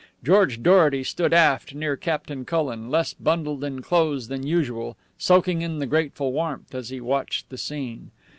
George Dorety stood aft, near Captain Cullen, less bundled in clothes than usual, soaking in the grateful warmth as he watched the scene.